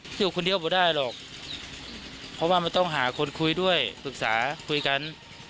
อยู่คนเดียวไม่ได้หรอกเพราะว่ามันต้องหาคนคุยด้วยปรึกษาคุยกัน